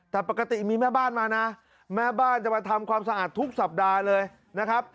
แต่ปกติมีแม่บ้านมานะแม่บ้านจะมาทำความสะอาดทุกสัปดาห์เลยนะครับ